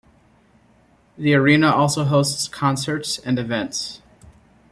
The arena also hosts concerts and events.